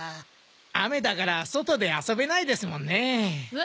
雨だから外で遊べないですもんねえ。